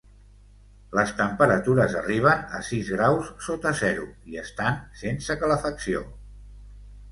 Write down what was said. Les temperatures arriben a sis graus sota zero i estan sense calefacció.